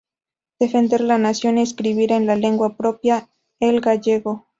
Defender la nación y escribir en la lengua propia: el gallego.